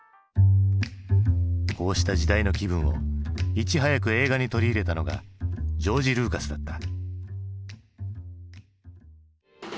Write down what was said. こうした時代の気分をいち早く映画に取り入れたのがジョージ・ルーカスだった。